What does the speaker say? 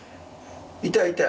痛い痛い？